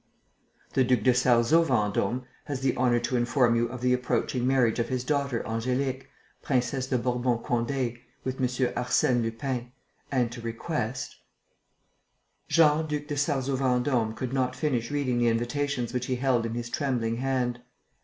"The Duc de Sarzeau Vendôme has the honour to inform you of the approaching marriage of his daughter Angélique, Princesse de Bourbon Condé, with Monsieur Arsène Lupin, and to request...." Jean Duc de Sarzeau Vendôme could not finish reading the invitations which he held in his trembling hand.